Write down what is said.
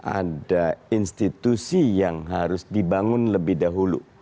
ada institusi yang harus dibangun lebih dahulu